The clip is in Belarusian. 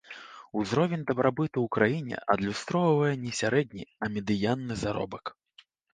Узровень дабрабыту ў краіне адлюстроўвае не сярэдні, а медыянны заробак.